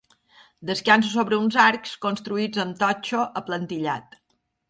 Descansa sobre uns arcs construïts amb totxo aplantillat.